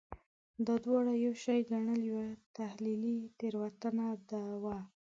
دا دواړه یو شی ګڼل یوه تحلیلي تېروتنه وه.